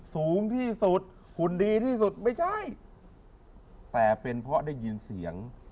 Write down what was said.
สูงที่สุดหุ่นดีที่สุดไม่ใช่แต่เป็นเพราะได้ยินเสียง